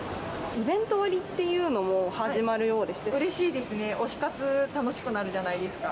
イベント割っていうのも始まうれしいですね、推し活、楽しくなるじゃないですか。